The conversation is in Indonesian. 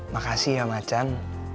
makasih ya macan